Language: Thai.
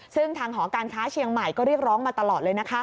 ซึ่งทางหอการค้าเชียงใหม่ก็เรียกร้องมาตลอดเลยนะคะ